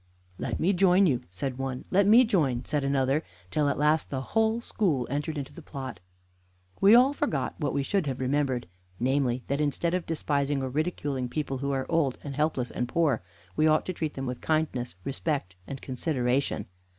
"Let me join you," said one; "Let me join," said another, till at last the whole school entered into the plot. We all forgot what we should have remembered namely, that, instead of despising or ridiculing people who are old and helpless and poor, we ought to treat them with kindness, respect, and consideration.